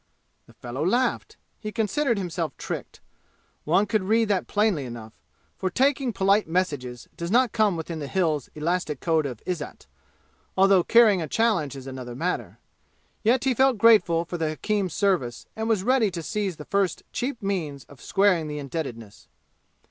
The fellow laughed. He considered himself tricked; one could read that plainly enough; for taking polite messages does not come within the Hills' elastic code of izzat, although carrying a challenge is another matter. Yet he felt grateful for the hakim's service and was ready to seize the first cheap means of squaring the indebtedness.